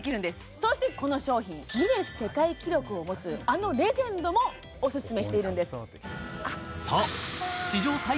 そしてこの商品ギネス世界記録を持つあのレジェンドもオススメしているんです